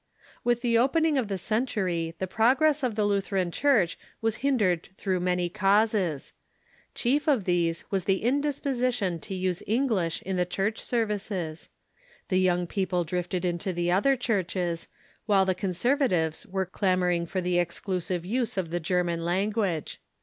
With the opening of the century the progress of the Lu theran Church was hindered through many causes. Chief of these was the indisposition to use English in the Later History . rpi i "i i . j •, Church services, ihe young people dritted mto the other churches, while the conservatives were clamoring for the exclusive use of the German language.